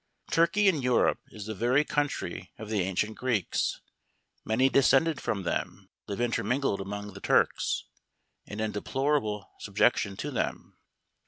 Turkey in Europe is the very country of the ancient Greeks; many descended from them, live intermingled among the Turks, and in de¬ plorable subjection to them.